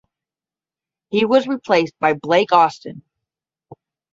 He was replaced by Blake Austin.